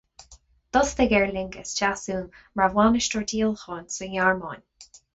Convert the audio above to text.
D'fhostaigh Aer Lingus Deasún mar bhainisteoir díolacháin sa nGearmáin.